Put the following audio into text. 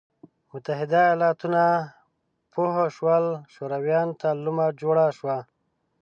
متحده ایالتونه پوه شول شورویانو ته لومه جوړه شوه.